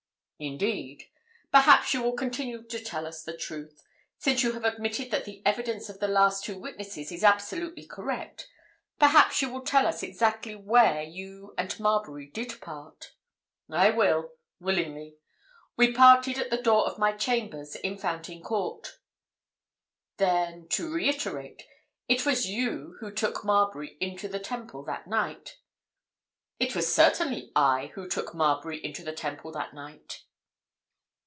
"Indeed! Perhaps you will continue to tell us the truth. Since you have admitted that the evidence of the last two witnesses is absolutely correct, perhaps you will tell us exactly where you and Marbury did part?" "I will—willingly. We parted at the door of my chambers in Fountain Court." "Then—to reiterate—it was you who took Marbury into the Temple that night?" "It was certainly I who took Marbury into the Temple that night."